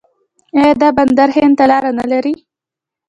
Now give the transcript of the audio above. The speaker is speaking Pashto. آیا دا بندر هند ته لاره نلري؟